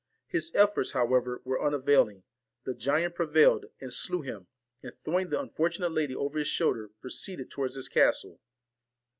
His efforts, however, were unavailing: the giant prevailed, and slew him ; and throwing the unfortunate lady over his shoulder, proceeded towards his castle.